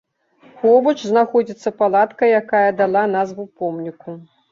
Побач знаходзіцца палатка, якая дала назву помніку.